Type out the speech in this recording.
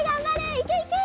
いけいけ！